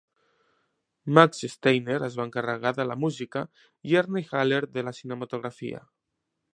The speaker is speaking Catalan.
Max Steiner es va encarregar de la música i Ernie Haller de la cinematografia.